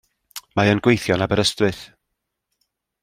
Mae e'n gweithio yn Aberystwyth.